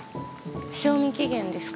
賞味期限ですか？